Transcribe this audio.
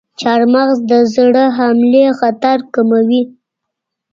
چارمغز د زړه حملې خطر کموي.